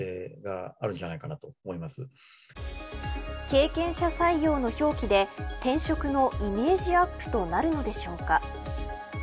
経験者採用の表記で転職のイメージアップとなるのでしょうか。